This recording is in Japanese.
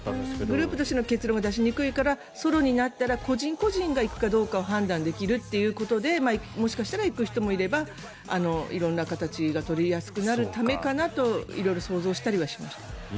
グループとしての結論を出しにくいからソロになったら個人個人が行くかどうかを判断できるということでもしかしたら、行く人もいれば色んな形が取りやすくなるためかなと色々想像したりはしました。